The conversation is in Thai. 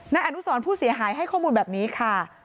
นายอนุสรผู้เสียหายให้ข้อมูลแบบนี้ค่ะ